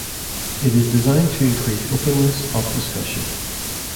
It is designed to increase openness of discussion.